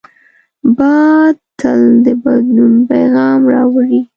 باد تل د بدلونو پیغام راوړي